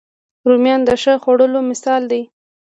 رومیان د ښه خواړه مثال دي